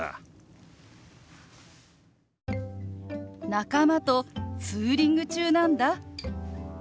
「仲間とツーリング中なんだ」。